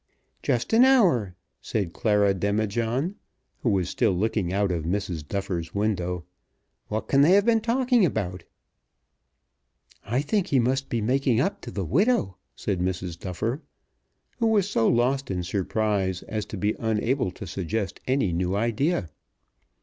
"Just an hour," said Clara Demijohn, who was still looking out of Mrs. Duffer's window. "What can they have been talking about?" "I think he must be making up to the widow," said Mrs. Duffer, who was so lost in surprise as to be unable to suggest any new idea.